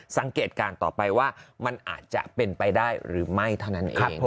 สังเกตการณ์ต่อไปว่ามันอาจจะเป็นไปได้หรือไม่เท่านั้นเอง